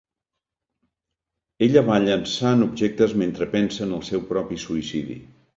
Ella va llençant objectes mentre pensa en el seu propi suïcidi.